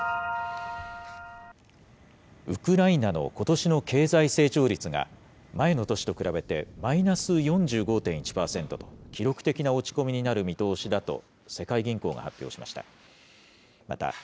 ウクライナのことしの経済成長率が、前の年と比べてマイナス４５．１％と、記録的な落ち込みになる見通しだと、世界銀行が発表しました。